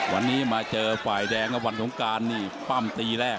วันนี้มาเจอฝ่ายแดงแล้ววันสงการนี่ปั้มตีแรก